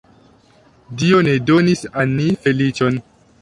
Dio ne donis al ni feliĉon!